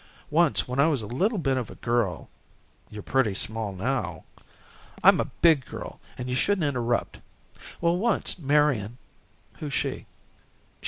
"Once when I was a little bit of a girl " "You're pretty small now." "I'm a big girl, and you shouldn't interrupt. Well, once Marian " "Who's she?"